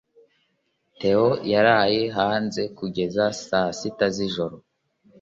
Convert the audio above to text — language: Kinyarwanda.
Theo yaraye hanze kugeza saa sita z'ijoro.